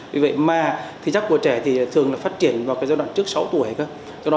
vì vậy mà thị giác của trẻ thì thường là phát triển vào cái giai đoạn trước sáu tuổi